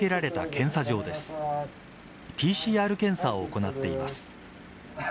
ＰＣＲ検査を行っています。